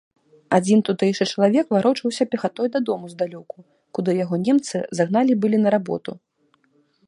Адзін тутэйшы чалавек варочаўся пехатой дадому здалёку, куды яго немцы загналі былі на работу.